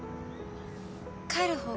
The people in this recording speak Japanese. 帰る方向